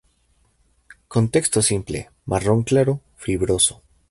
Contexto simple, marrón claro, fibroso.